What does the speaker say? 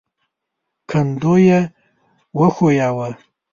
کندو يې وښوياوه.